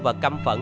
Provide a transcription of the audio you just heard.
và căm phận